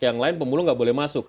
yang lain pemulung nggak boleh masuk